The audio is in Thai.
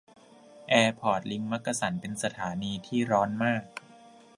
แอร์พอร์ตลิงค์มักกะสัน เป็นสถานีที่ร้อนมาก